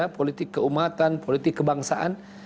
politik keumatan politik kebangsaan